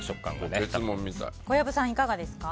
小籔さん、いかがですか？